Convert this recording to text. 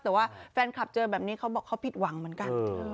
แต่ว่าแฟนคลับเจอแบบนี้เขาบอกเขาผิดหวังเหมือนกัน